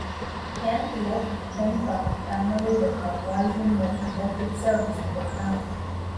Cantilupe came from a family that had risen by devoted service to the crown.